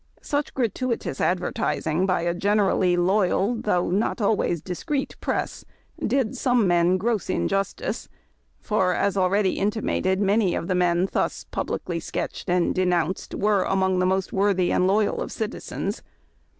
Such gratuitous advertising by a generally loyal, though not always discreet press did some men gross injustice; for, as already intimated, many of the men thus publicly sketched and denounced were among the most worthy and loyal of citizens.